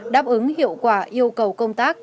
đáp ứng hiệu quả yêu cầu công tác